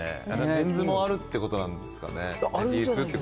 あれ、メンズもあるってことなんですかね。